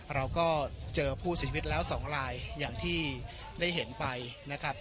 เราก็เจอผู้เสียชีวิตแล้ว๒ลายอย่างที่ได้เห็นไปนะครับ